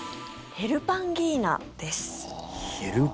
ヘルパンギーナ。